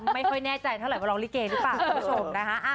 ไม่แน่ใจเท่าไหรว่าร้องลิเกหรือเปล่าคุณผู้ชมนะคะ